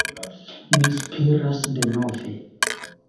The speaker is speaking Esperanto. Ni spiras denove.